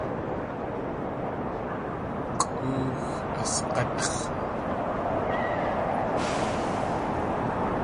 Kʼóox asg̲átx̲.